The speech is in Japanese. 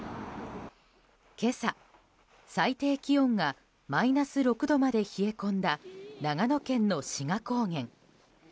今朝、最低気温がマイナス６度まで冷え込んだ長野県の志賀高原。